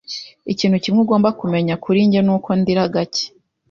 Ikintu kimwe ugomba kumenya kuri njye nuko ndira gake.